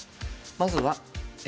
まずはＡ。